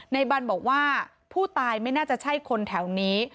บันบอกว่าผู้ตายไม่น่าจะใช่คนแถวนี้